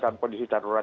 dalam kondisi darurat